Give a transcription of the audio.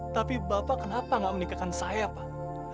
tapi bapak kenapa gak menikahkan saya pak